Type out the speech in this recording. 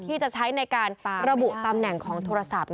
ที่จะใช้ในการระบุตำแหน่งของโทรศัพท์